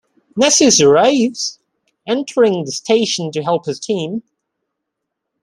Nessus arrives, entering the station to help his team.